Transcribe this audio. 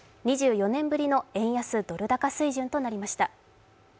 ２４年ぶりの円安ドル高水準となりました。